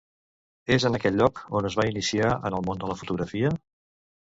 És en aquell lloc on es va iniciar en el món de la fotografia?